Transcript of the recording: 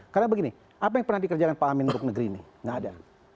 karena begini apa yang pernah dikerjakan pak amin untuk negeri ini nggak ada